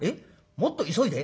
もっと急いで？